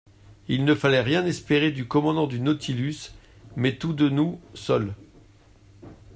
Il ne fallait rien espérer du commandant du Nautilus, mais tout de nous seuls.